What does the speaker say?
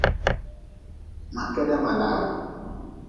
Ma keda ma laha.